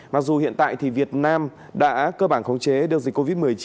mặc dù hiện tại việt nam đã cơ bản khống chế đưa dịch covid một mươi chín